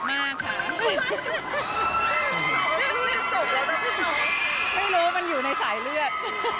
ไม่รู้ปังอยู่ในสายเลือด